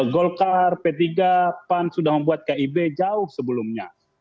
golkar p tiga pan sudah membuat kib jauh sebelumnya